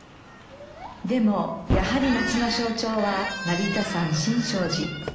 でもやはり街の象徴は成田山新勝寺。